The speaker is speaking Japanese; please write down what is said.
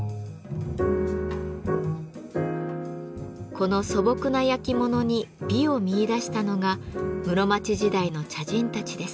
この素朴な焼き物に美を見いだしたのが室町時代の茶人たちです。